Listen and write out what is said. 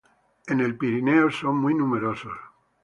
En el Pirineo son muy numerosos.